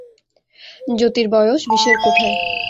যতির বয়স বিশের কোঠায়।